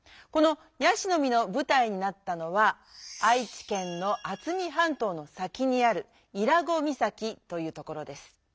この「椰子の実」のぶたいになったのは愛知県の渥美半島の先にある伊良湖岬というところです。